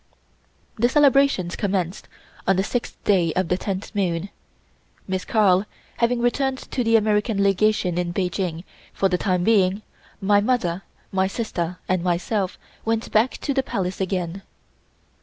The celebrations commenced on the sixth day of the tenth moon. Miss Carl, having returned to the American Legation in Peking for the time being, my mother, my sister and myself went back to the Palace again.